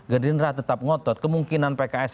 gerindra tetap ngotot kemungkinan pks